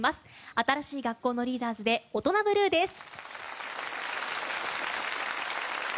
新しい学校のリーダーズで「オトナブルー」です。